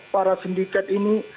para sindikat ini